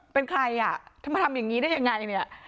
เป็นใครอ่ะถ้ามาทำอย่างนี้ได้ยังไงเนี่ย